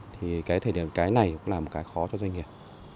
thì cái thời điểm cái này cũng là một cái khó cho doanh nghiệp